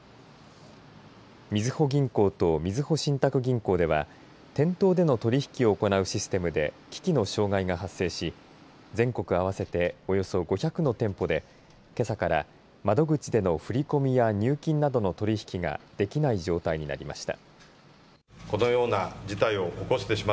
みずほ銀行とみずほ信託銀行では店頭での取り引きを行うシステムで機器の障害が発生し全国合わせておよそ５００の店舗でけさから窓口での振り込みや入金などの取り引きができない状態になりました。